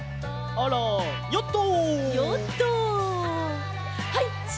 あらヨット！